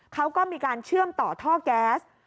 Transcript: เขาก็มีการเชื่อมต่อท่อแก๊ส